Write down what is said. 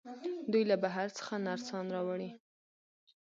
دوی له بهر څخه نرسان راوړي.